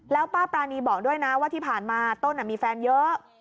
แล้วป้าปรานีบอกด้วยนะว่าที่ผ่านมาต้นมีแฟนเยอะ